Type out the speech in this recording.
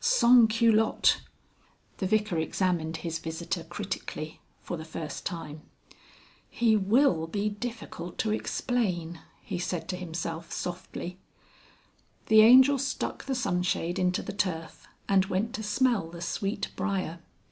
Sans culotte! The Vicar examined his visitor critically for the first time. "He will be difficult to explain," he said to himself softly. The Angel stuck the sunshade into the turf and went to smell the sweet briar.